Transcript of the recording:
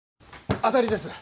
当たりです！